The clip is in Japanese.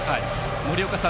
森岡さん